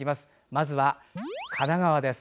まずは神奈川です。